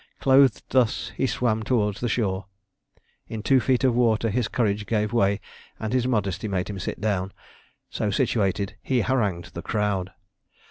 Clothed thus he swam towards the shore. In two feet of water his courage gave way, and his modesty made him sit down. So situated he harangued the crowd.